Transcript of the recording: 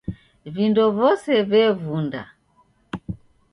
Vindo vose vevunda.